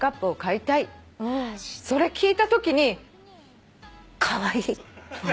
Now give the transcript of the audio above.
それ聞いたときにカワイイって。